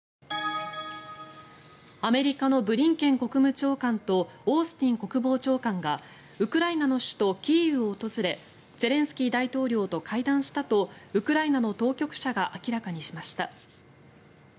アメリカのブリンケン国務長官とオースティン国防長官がウクライナの首都キーウを訪れゼレンスキー大統領と会談したとウクライナの当局者が明らかにしました。